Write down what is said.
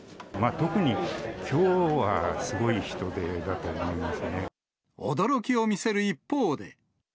特にきょうはすごい人出だと驚きを見せる一方で。